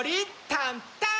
タンターン！